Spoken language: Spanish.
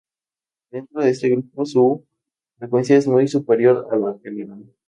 Dentro de este grupo su frecuencia es muy superior a la general.